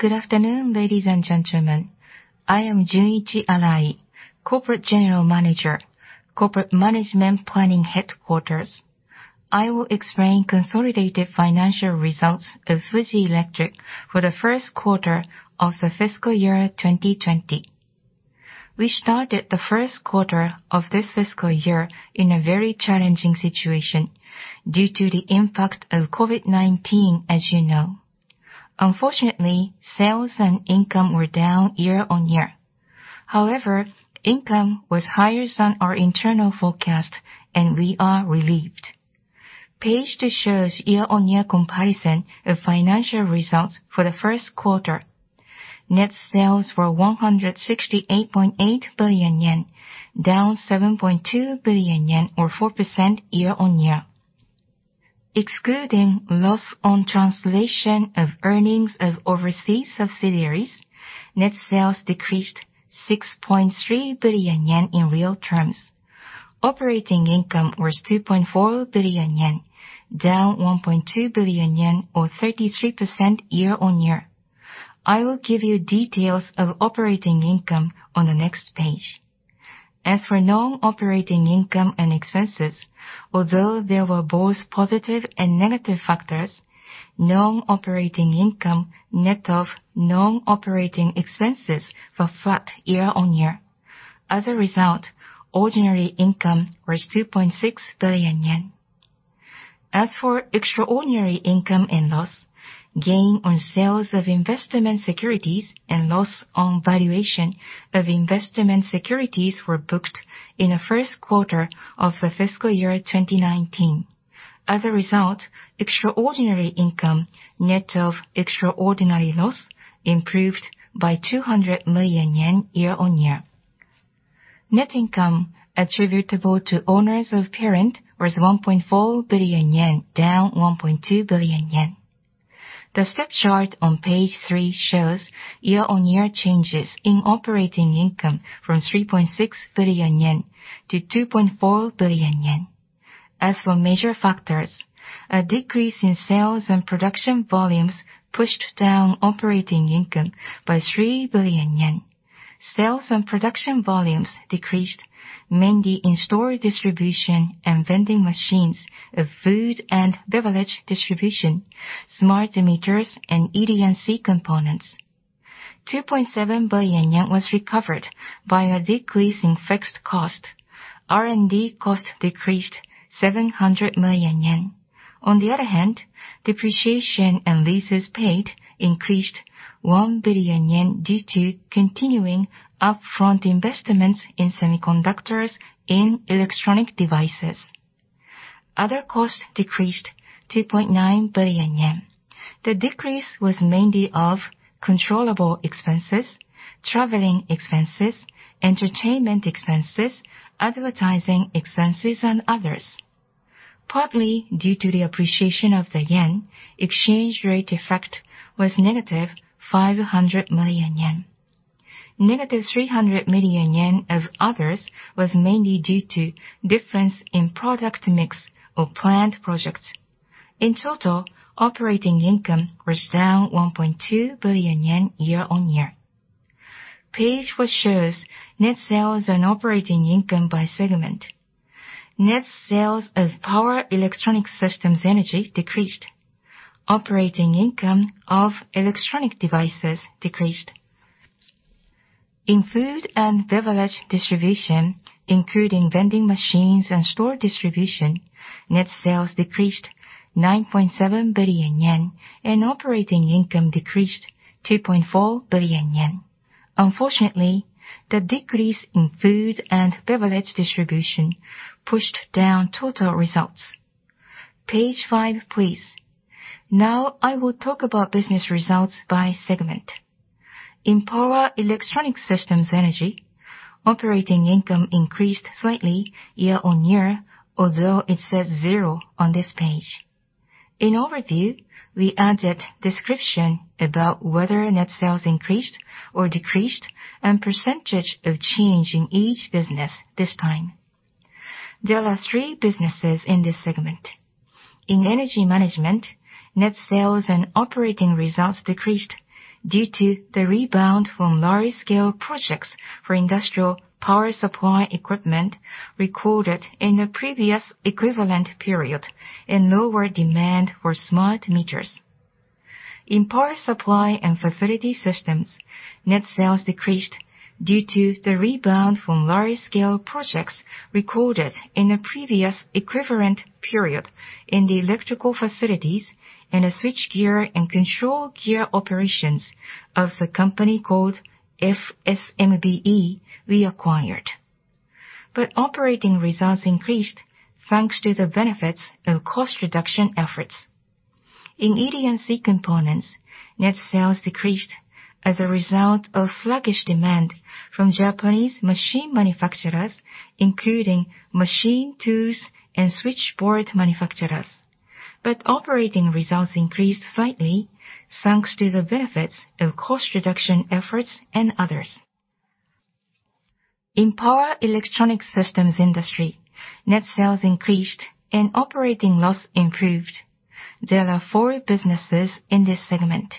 Good afternoon, ladies and gentlemen. I am Junichi Arai, Corporate General Manager, Corporate Management Planning Headquarters. I will explain consolidated financial results of Fuji Electric for the first quarter of the Fiscal Year 2020. We started the first quarter of this fiscal year in a very challenging situation due to the impact of COVID-19, as you know. Unfortunately, sales and income were down year-on-year. However, income was higher than our internal forecast, and we are relieved. Page two shows year-on-year comparison of financial results for the first quarter. Net sales were 168.8 billion yen, down 7.2 billion yen or 4% year-on-year. Excluding loss on translation of earnings of overseas subsidiaries, net sales decreased 6.3 billion yen in real terms. Operating income was 2.4 billion yen, down 1.2 billion yen or 33% year-on-year. I will give you details of operating income on the next page. As for non-operating income and expenses, although there were both positive and negative factors, non-operating income net of non-operating expenses were flat year-over-year. As a result, ordinary income was 2.6 billion yen. As for extraordinary income and loss, gain on sales of investment securities and loss on valuation of investment securities were booked in the first quarter of the Fiscal Year 2019. As a result, extraordinary income net of extraordinary loss improved by 200 million yen year-over-year. Net income attributable to owners of parent was 1.4 billion yen, down 1.2 billion yen. The step chart on page three shows year-on-year changes in operating income from 3.6 billion yen to 2.4 billion yen. As for major factors, a decrease in sales and production volumes pushed down operating income by 3 billion yen. Sales and production volumes decreased mainly in store distribution and vending machines of food and beverage distribution, smart meters, and ED&C components. 2.7 billion yen was recovered by a decrease in fixed cost. R&D cost decreased 700 million yen. On the other hand, depreciation and leases paid increased 1 billion yen due to continuing upfront investments in semiconductors in electronic devices. Other costs decreased 2.9 billion yen. The decrease was mainly of controllable expenses, traveling expenses, entertainment expenses, advertising expenses, and others. Partly due to the appreciation of the yen, exchange rate effect was negative 500 million yen. Negative 300 million yen of others was mainly due to difference in product mix of planned projects. In total, operating income was down 1.2 billion yen year-on-year. Page four shows net sales and operating income by segment. Net sales of Power Electronics Systems Energy decreased. Operating income of Electronic Devices decreased. In food and beverage distribution, including vending machines and store distribution, net sales decreased 9.7 billion yen and operating income decreased 2.4 billion yen. Unfortunately, the decrease in food and beverage distribution pushed down total results. Page five, please. I will talk about business results by segment. In Power Electronics Systems Energy, operating income increased slightly year-on-year, although it says zero on this page. In overview, we added description about whether net sales increased or decreased and percentage of change in each business this time. There are three businesses in this segment. In Energy Management, net sales and operating results decreased due to the rebound from large-scale projects for industrial power supply equipment recorded in the previous equivalent period and lower demand for smart meters. In Power Supply and Facility Systems, net sales decreased due to the rebound from large-scale projects recorded in the previous equivalent period in the electrical facilities and the switchgear and control gear operations of the company called SMBE we acquired. Operating results increased thanks to the benefits of cost reduction efforts. In ED&C components, net sales decreased as a result of sluggish demand from Japanese machine manufacturers, including machine tools and switchboard manufacturers. Operating results increased slightly thanks to the benefits of cost reduction efforts and others. In Power Electronics Systems Industry, net sales increased and operating loss improved. There are four businesses in this segment.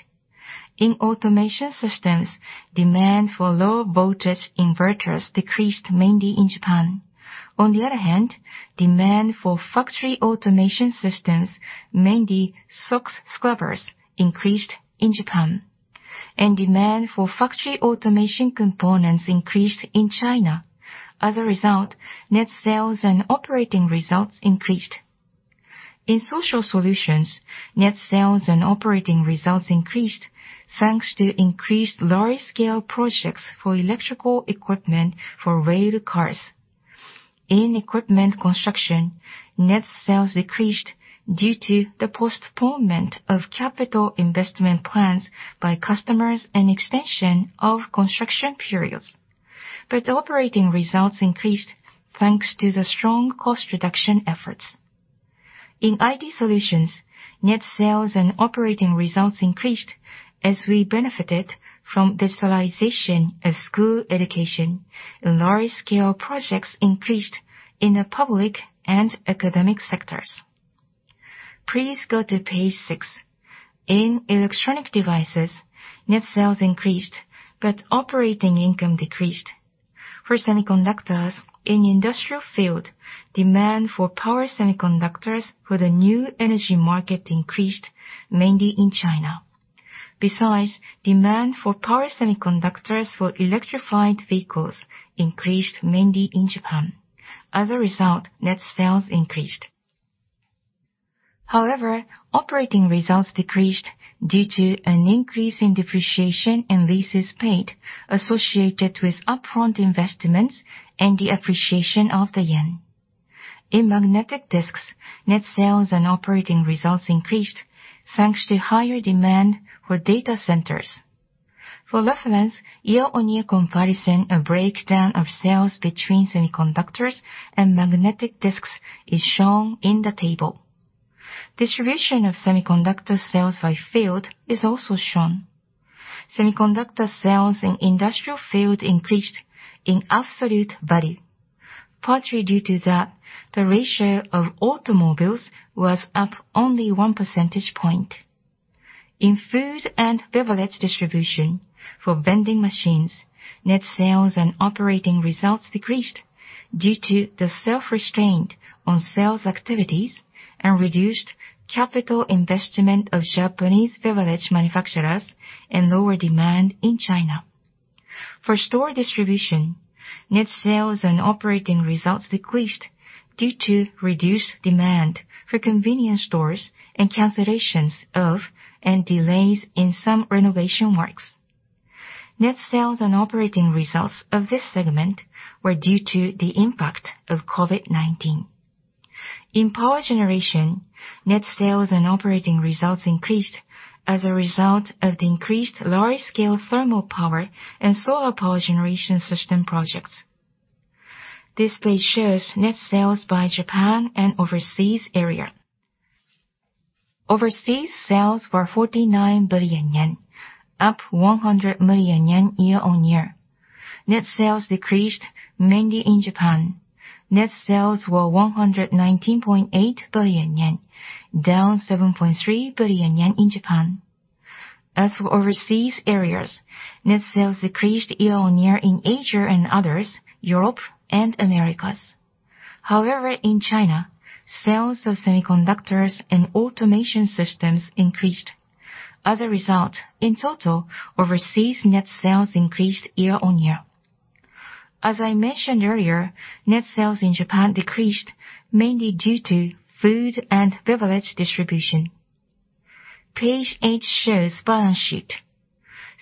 In Automation Systems, demand for low voltage inverters decreased mainly in Japan. On the other hand, demand for factory automation systems, mainly SOx scrubbers, increased in Japan. Demand for factory automation components increased in China. As a result, net sales and operating results increased. In Social Solutions, net sales and operating results increased, thanks to increased large-scale projects for electrical equipment for rail cars. In equipment construction, net sales decreased due to the postponement of capital investment plans by customers and extension of construction periods. Operating results increased, thanks to the strong cost reduction efforts. In IT solutions, net sales and operating results increased as we benefited from digitalization of school education, and large-scale projects increased in the public and academic sectors. Please go to page six. In Electronic Devices, net sales increased, but operating income decreased. For semiconductors in the industrial field, demand for power semiconductors for the new energy market increased mainly in China. Besides, demand for power semiconductors for electrified vehicles increased mainly in Japan. As a result, net sales increased. However, operating results decreased due to an increase in depreciation and leases paid associated with upfront investments and the appreciation of the yen. In magnetic disks, net sales and operating results increased, thanks to higher demand for data centers. For reference, year-on-year comparison, a breakdown of sales between semiconductors and magnetic disks is shown in the table. Distribution of semiconductor sales by field is also shown. Semiconductor sales in industrial field increased in absolute value, partly due to that, the ratio of automobiles was up only one percentage point. In food and beverage distribution for vending machines, net sales and operating results decreased due to the self-restraint on sales activities and reduced capital investment of Japanese beverage manufacturers and lower demand in China. For store distribution, net sales and operating results decreased due to reduced demand for convenience stores and cancellations of, and delays in some renovation works. Net sales and operating results of this segment were due to the impact of COVID-19. In power generation, net sales and operating results increased as a result of the increased large-scale thermal power and solar power generation system projects. This page shows net sales by Japan and overseas area. Overseas sales were 49 billion yen, up 100 million yen year-on-year. Net sales decreased mainly in Japan. Net sales were 119.8 billion yen, down 7.3 billion yen in Japan. As for overseas areas, net sales decreased year-on-year in Asia and others, Europe, and Americas. However, in China, sales of semiconductors and Automation Systems increased. As a result, in total, overseas net sales increased year-on-year. As I mentioned earlier, net sales in Japan decreased mainly due to food and beverage distribution. Page eight shows balance sheet.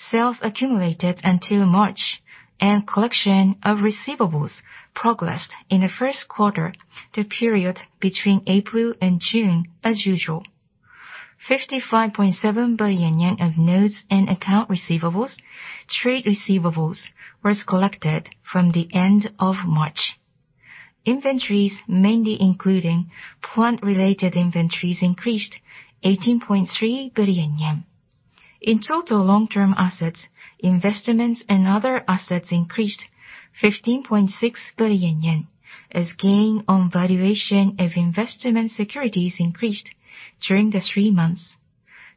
Sales accumulated until March, and collection of receivables progressed in the first quarter, the period between April and June, as usual. 55.7 billion yen of notes and account receivables, trade receivables, were collected from the end of March. Inventories, mainly including plant-related inventories, increased 18.3 billion yen. In total long-term assets, investments and other assets increased 15.6 billion yen as gain on valuation of investment securities increased during the three months.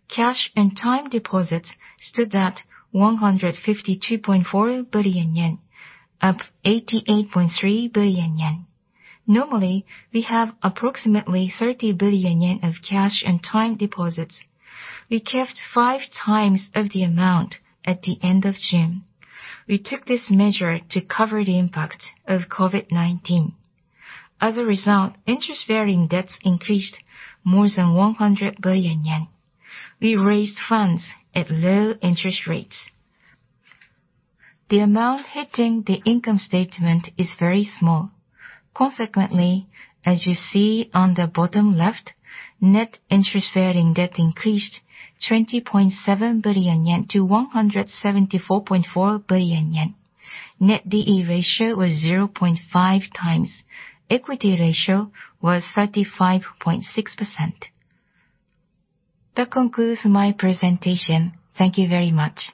Cash and time deposits stood at 152.4 billion yen, up 88.3 billion yen. Normally, we have approximately 30 billion yen of cash and time deposits. We kept five times of the amount at the end of June. We took this measure to cover the impact of COVID-19. As a result, interest-bearing debts increased more than 100 billion yen. We raised funds at low interest rates. The amount hitting the income statement is very small. Consequently, as you see on the bottom left, net interest-bearing debt increased 20.7 billion yen to 174.4 billion yen. Net D/E ratio was 0.5x. Equity ratio was 35.6%. That concludes my presentation. Thank you very much.